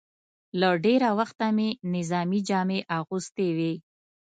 له ډېره وخته مې نظامي جامې اغوستې وې.